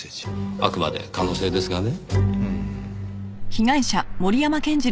あくまで可能性ですがね。